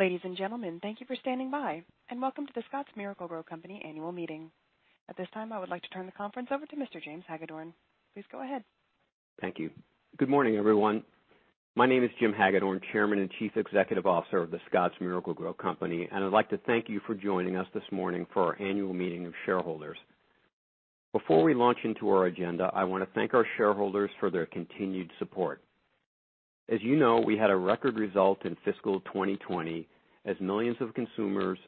Ladies and gentlemen, thank you for standing by and welcome to The Scotts Miracle-Gro Company annual meeting. At this time, I would like to turn the conference over to Mr. James Hagedorn. Please go ahead. Thank you. Good morning, everyone. My name is Jim Hagedorn, Chairman and Chief Executive Officer of The Scotts Miracle-Gro Company. I'd like to thank you for joining us this morning for our annual meeting of shareholders. Before we launch into our agenda, I want to thank our shareholders for their continued support. As you know, we had a record result in fiscal 2020 as millions of consumers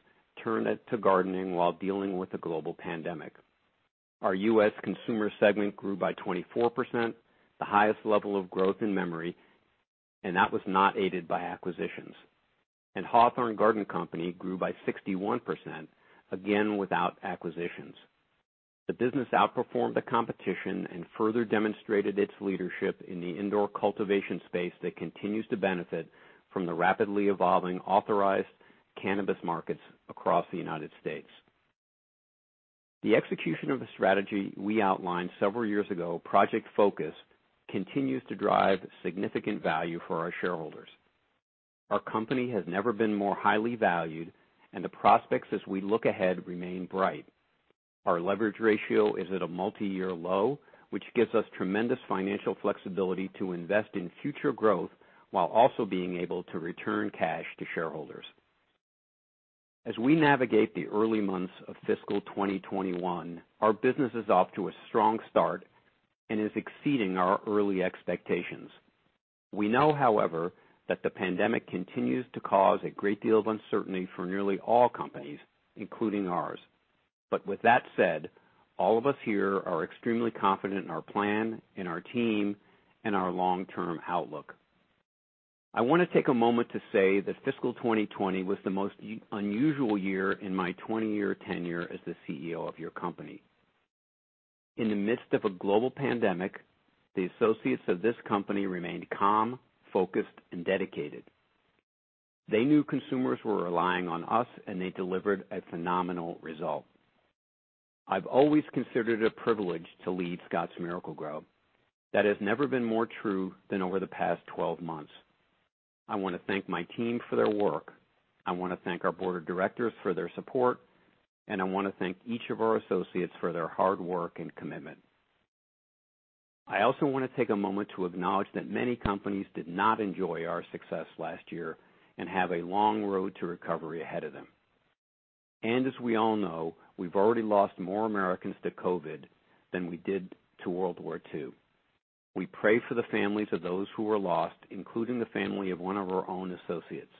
turned to gardening while dealing with the global pandemic. Our U.S. consumer segment grew by 24%, the highest level of growth in memory. That was not aided by acquisitions. Hawthorne Gardening Company grew by 61%—again, without acquisitions. The business outperformed the competition and further demonstrated its leadership in the indoor cultivation space that continues to benefit from the rapidly evolving authorized cannabis markets across the United States. The execution of a strategy we outlined several years ago, Project Focus, continues to drive significant value for our shareholders. Our company has never been more highly valued, and the prospects as we look ahead remain bright. Our leverage ratio is at a multi-year low, which gives us tremendous financial flexibility to invest in future growth while also being able to return cash to shareholders. As we navigate the early months of fiscal 2021, our business is off to a strong start and is exceeding our early expectations. We know, however, that the pandemic continues to cause a great deal of uncertainty for nearly all companies, including ours. With that said, all of us here are extremely confident in our plan, in our team, and in our long-term outlook. I want to take a moment to say that fiscal 2020 was the most unusual year in my 20-year tenure as the CEO of your company. In the midst of a global pandemic, the associates of this company remained calm, focused, and dedicated. They knew consumers were relying on us, and they delivered a phenomenal result. I've always considered it a privilege to lead Scotts Miracle-Gro. That has never been more true than over the past 12 months. I want to thank my team for their work; I want to thank our board of directors for their support; and I want to thank each of our associates for their hard work and commitment. I also want to take a moment to acknowledge that many companies did not enjoy our success last year and have a long road to recovery ahead of them. As we all know, we've already lost more Americans to COVID than we did to World War II. We pray for the families of those who were lost, including the family of one of our own associates,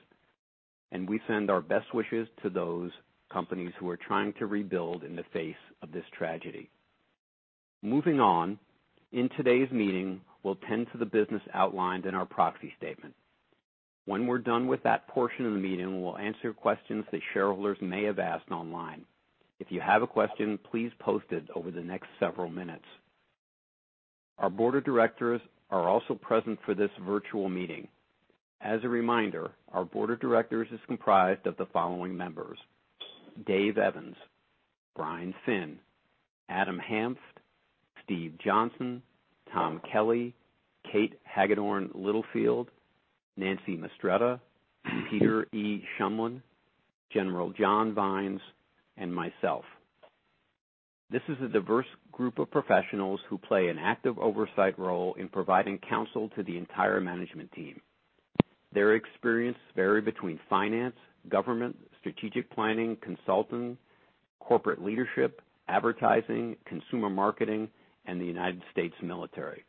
and we send our best wishes to those companies who are trying to rebuild in the face of this tragedy. Moving on, in today's meeting, we'll tend to the business outlined in our proxy statement. When we're done with that portion of the meeting, we'll answer questions that shareholders may have asked online. If you have a question, please post it over the next several minutes. Our board of directors are also present for this virtual meeting. As a reminder, our board of directors is comprised of the following members: Dave Evans, Brian Finn, Adam Hanft, Steve Johnson, Tom Kelly, Kate Hagedorn Littlefield, Nancy Mistretta, Peter E. Shumlin, General John Vines, and myself. This is a diverse group of professionals who play an active oversight role in providing counsel to the entire management team. Their experience vary between finance, government, strategic planning, consulting, corporate leadership, advertising, consumer marketing, and the United States military.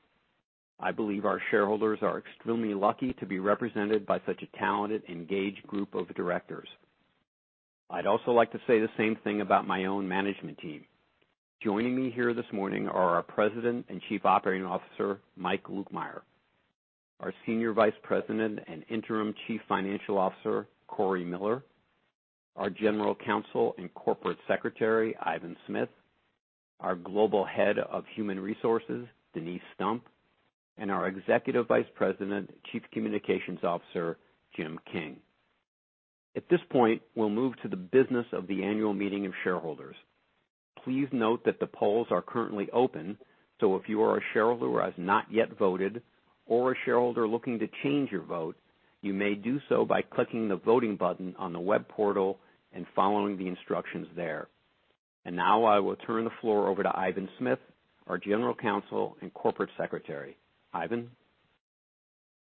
I believe our shareholders are extremely lucky to be represented by such a talented, engaged group of directors. I'd also like to say the same thing about my own management team. Joining me here this morning are our President and Chief Operating Officer, Mike Lukemire, our Senior Vice President and Interim Chief Financial Officer, Cory Miller, our General Counsel and Corporate Secretary, Ivan Smith, our Global Head of Human Resources, Denise Stump, and our Executive Vice President, Chief Communications Officer, Jim King. At this point, we'll move to the business of the annual meeting of shareholders. Please note that the polls are currently open, so if you are a shareholder who has not yet voted or a shareholder looking to change your vote, you may do so by clicking the voting button on the web portal and following the instructions there. Now I will turn the floor over to Ivan Smith, our General Counsel and Corporate Secretary. Ivan?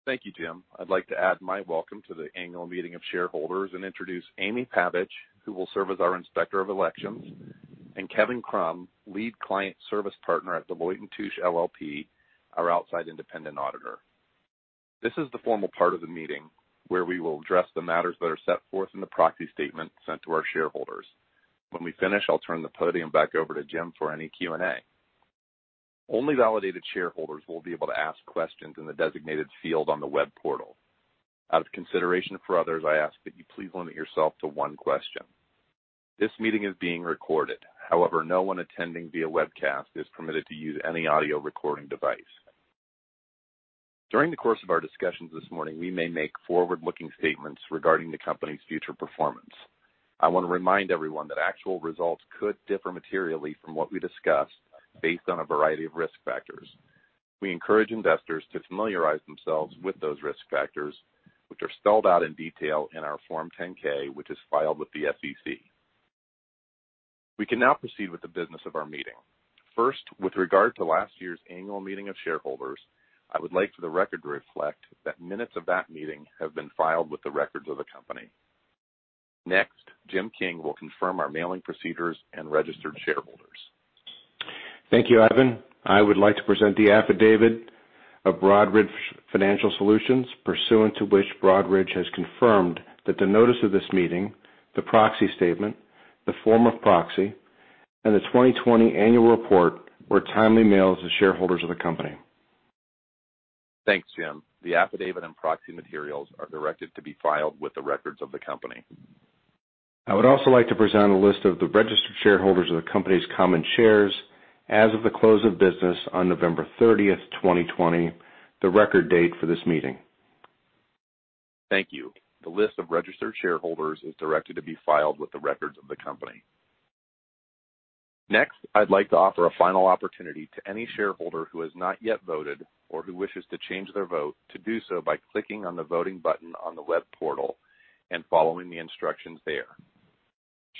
Thank you, Jim. I'd like to add my welcome to the annual meeting of shareholders and introduce Amy Pavich, who will serve as our Inspector of Elections, and Kevin Krumm, Lead Client Service Partner at Deloitte & Touche LLP, our outside independent auditor. This is the formal part of the meeting where we will address the matters that are set forth in the proxy statement sent to our shareholders. When we finish, I'll turn the podium back over to Jim for any Q&A. Only validated shareholders will be able to ask questions in the designated field on the web portal. Out of consideration for others, I ask that you please limit yourself to one question. This meeting is being recorded. However, no one attending via webcast is permitted to use any audio recording device. During the course of our discussions this morning, we may make forward-looking statements regarding the company's future performance. I want to remind everyone that actual results could differ materially from what we discuss based on a variety of risk factors. We encourage investors to familiarize themselves with those risk factors, which are spelled out in detail in our Form 10-K, which is filed with the SEC. We can now proceed with the business of our meeting. First, with regard to last year's annual meeting of shareholders, I would like for the record to reflect that minutes of that meeting have been filed with the records of the company. Next, Jim King will confirm our mailing procedures and registered shareholders. Thank you, Ivan. I would like to present the affidavit of Broadridge Financial Solutions, pursuant to which Broadridge has confirmed that the notice of this meeting, the proxy statement, the form of proxy, and the 2020 annual report were timely mailed to shareholders of the company. Thanks, Jim. The affidavit and proxy materials are directed to be filed with the records of the company. I would also like to present a list of the registered shareholders of the company's common shares as of the close of business on November 30, 2020, the record date for this meeting. Thank you. The list of registered shareholders is directed to be filed with the records of the company. Next, I'd like to offer a final opportunity to any shareholder who has not yet voted or who wishes to change their vote to do so by clicking on the voting button on the web portal and following the instructions there.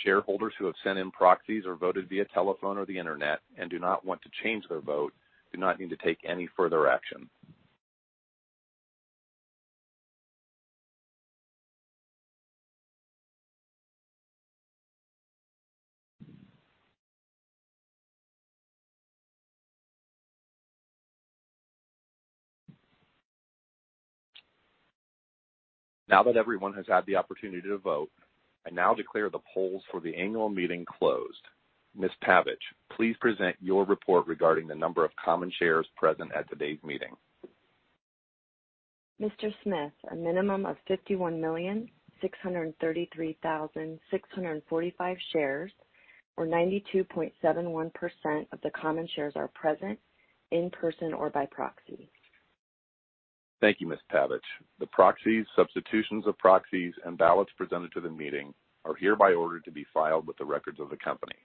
Shareholders who have sent in proxies or voted via telephone or the internet and do not want to change their vote do not need to take any further action. Now that everyone has had the opportunity to vote, I now declare the polls for the annual meeting closed. Ms. Pavich, please present your report regarding the number of common shares present at today's meeting. Mr. Smith, a minimum of 51,633,645 shares, or 92.71% of the common shares are present in person or by proxy. Thank you, Ms. Pavich. The proxies, substitutions of proxies, and ballots presented to the meeting are hereby ordered to be filed with the records of the company.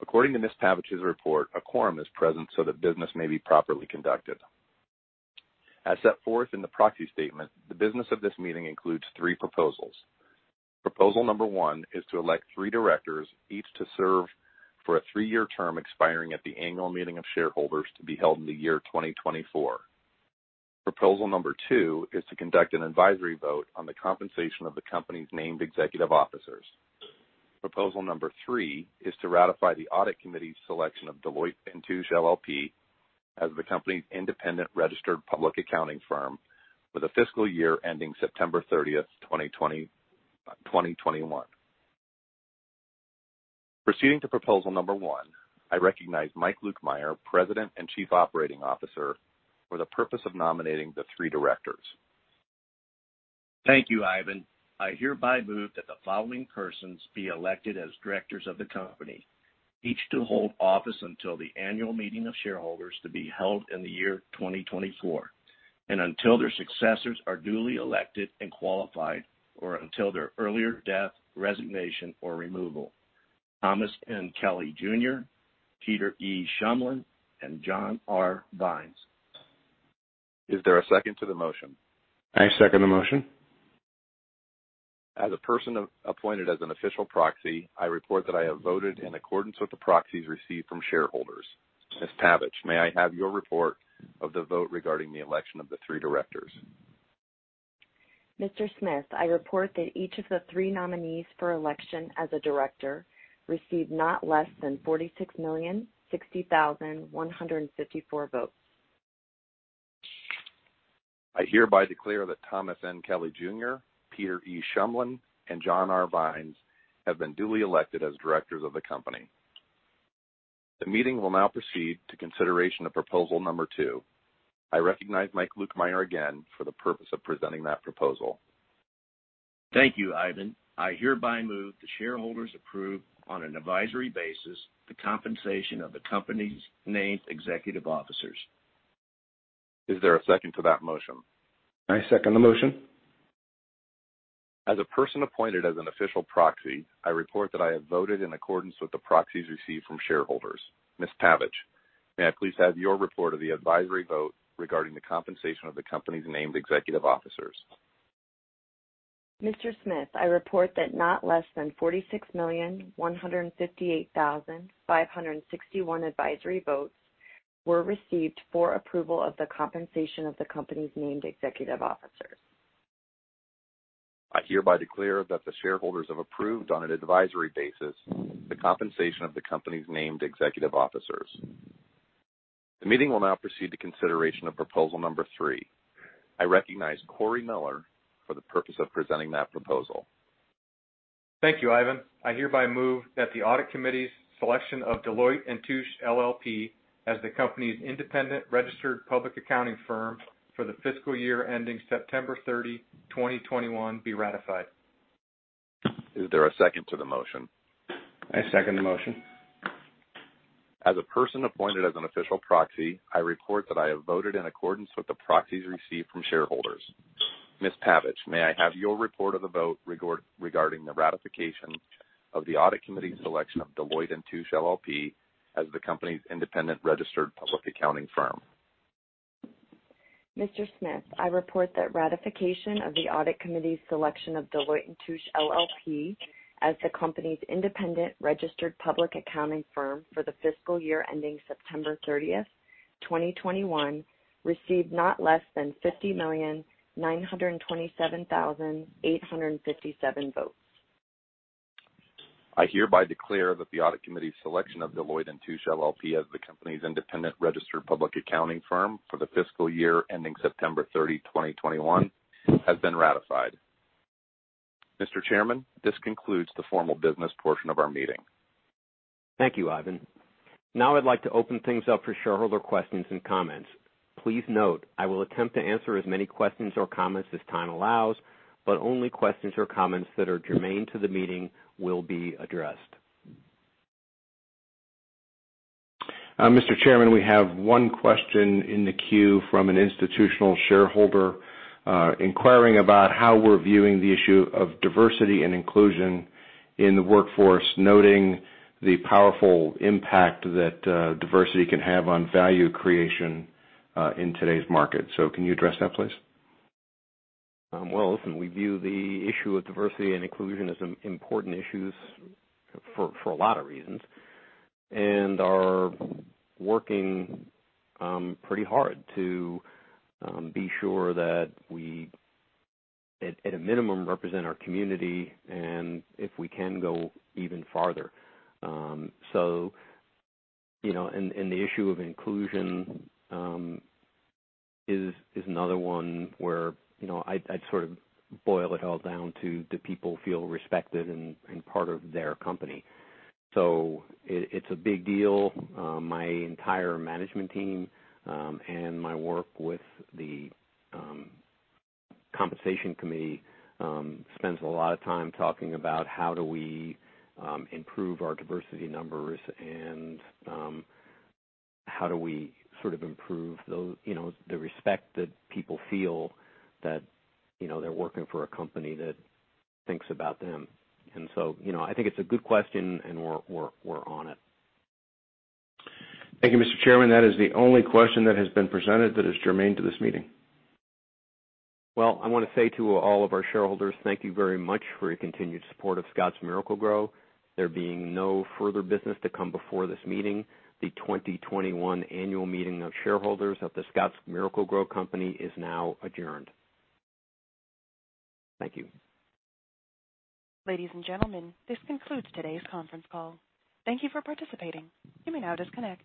According to Ms. Pavich's report, a quorum is present so that business may be properly conducted. As set forth in the proxy statement, the business of this meeting includes three proposals. Proposal number one is to elect three directors, each to serve for a three-year term expiring at the annual meeting of shareholders to be held in the year 2024. Proposal number two is to conduct an advisory vote on the compensation of the company's named executive officers. Proposal number three is to ratify the Audit Committee's selection of Deloitte & Touche LLP as the company's independent registered public accounting firm with a fiscal year ending September 30, 2021. Proceeding to proposal number one, I recognize Mike Lukemire, President and Chief Operating Officer, for the purpose of nominating the three directors. Thank you, Ivan. I hereby move that the following persons be elected as directors of the company, each to hold office until the annual meeting of shareholders to be held in the year 2024 and until their successors are duly elected and qualified, or until their earlier death, resignation, or removal. Thomas N. Kelly Jr., Peter E. Shumlin, and John R. Vines. Is there a second to the motion? I second the motion. As a person appointed as an official proxy, I report that I have voted in accordance with the proxies received from shareholders. Ms. Pavich, may I have your report of the vote regarding the election of the three directors? Mr. Smith, I report that each of the three nominees for election as a director received not less than 46,060,154 votes. I hereby declare that Thomas N. Kelly Jr., Peter E. Shumlin, and John R. Vines have been duly elected as directors of the company. The meeting will now proceed to consideration of Proposal no. 2. I recognize Mike Lukemire again for the purpose of presenting that proposal. Thank you, Ivan. I hereby move the shareholders approve on an advisory basis the compensation of the company's named executive officers. Is there a second to that motion? I second the motion. As a person appointed as an official proxy, I report that I have voted in accordance with the proxies received from shareholders. Ms. Pavich, may I please have your report of the advisory vote regarding the compensation of the company's named executive officers? Mr. Smith, I report that not less than 46,158,561 advisory votes were received for approval of the compensation of the company's named executive officers. I hereby declare that the shareholders have approved on an advisory basis the compensation of The Scotts Miracle-Gro Company's named executive officers. The meeting will now proceed to consideration of Proposal No. 3. I recognize Cory Miller for the purpose of presenting that proposal. Thank you, Ivan. I hereby move that the Audit Committee's selection of Deloitte & Touche LLP as the company's independent registered public accounting firm for the fiscal year ending September 30, 2021, be ratified. Is there a second to the motion? I second the motion. As a person appointed as an official proxy, I report that I have voted in accordance with the proxies received from shareholders Ms. Pavich, may I have your report of the vote regarding the ratification of the Audit Committee's selection of Deloitte & Touche LLP as the company's independent registered public accounting firm? Mr. Smith, I report that ratification of the Audit Committee's selection of Deloitte & Touche LLP as the company's independent registered public accounting firm for the fiscal year ending September 30th, 2021, received not less than 50,927,857 votes. I hereby declare that the Audit Committee's selection of Deloitte & Touche LLP as the company's independent registered public accounting firm for the fiscal year ending September 30, 2021, has been ratified. Mr. Chairman, this concludes the formal business portion of our meeting. Thank you, Ivan. I'd like to open things up for shareholder questions and comments. Please note, I will attempt to answer as many questions or comments as time allows, but only questions or comments that are germane to the meeting will be addressed. Mr. Chairman, we have one question in the queue from an institutional shareholder inquiring about how we're viewing the issue of diversity and inclusion in the workforce, noting the powerful impact that diversity can have on value creation in today's market. Can you address that, please? Listen, we view the issue of diversity and inclusion as important issues for a lot of reasons and are working pretty hard to be sure that we at a minimum represent our community and if we can go even farther. The issue of inclusion is another one where I'd sort of boil it all down to do people feel respected and part of their company. It's a big deal. My entire management team, and my work with the Compensation Committee, spends a lot of time talking about how do we improve our diversity numbers and how do we sort of improve the respect that people feel that they're working for a company that thinks about them. I think it's a good question and we're on it. Thank you, Mr. Chairman. That is the only question that has been presented that is germane to this meeting. Well, I want to say to all of our shareholders, thank you very much for your continued support of Scotts Miracle-Gro. There being no further business to come before this meeting, the 2021 Annual Meeting of Shareholders of The Scotts Miracle-Gro Company is now adjourned. Thank you. Ladies and gentlemen, this concludes today's conference call. Thank you for participating. You may now disconnect.